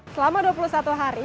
selama dua puluh satu hari